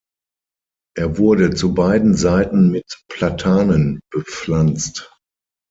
Er wurde zu beiden Seiten mit Platanen bepflanzt.